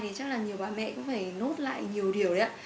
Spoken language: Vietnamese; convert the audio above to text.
thì chắc là nhiều bà mẹ cũng phải nốt lại nhiều điều đấy ạ